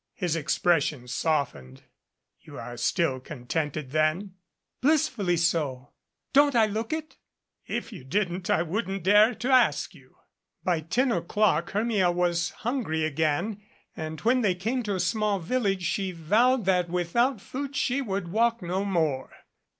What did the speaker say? His expression softened. "You are still contented then?" "Blissfully so. Don't I look it?" 163 MADCAP "If you didn't, I wouldn't dare to ask you." By ten o'clock Hermia was hungry again and when they came to a small village she vowed that without food she would walk no more.